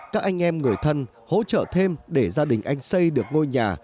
các anh em người thân hỗ trợ thêm để gia đình anh xây được ngôi nhà